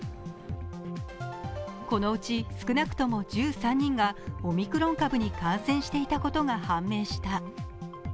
このうち少なくとも１３人がオミクロン株に感染していたことが判明した。